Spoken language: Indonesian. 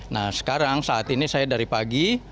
nah sekarang saat ini saya dari pagi